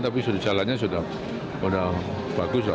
tapi jalannya sudah bagus